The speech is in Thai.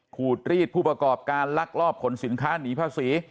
ขูดรีดผู้ประกอบการลักลอบขนสินค้าหนีภาษี